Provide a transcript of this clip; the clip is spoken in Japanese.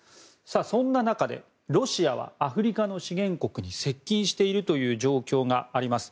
そんな中で、ロシアはアフリカの資源国に接近しているという状況があります。